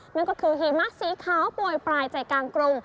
นั่นก็คือหิมะสีขาวโปรยปลายใจกลางกรุง